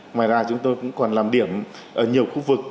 ngoài ra chúng tôi cũng còn làm điểm ở nhiều khu vực